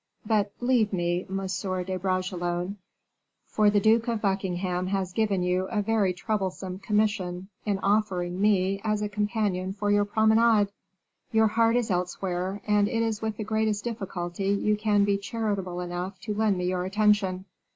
But, leave me, Monsieur de Bragelonne, for the Duke of Buckingham has given you a very troublesome commission in offering me as a companion for your promenade. Your heart is elsewhere, and it is with the greatest difficulty you can be charitable enough to lend me your attention.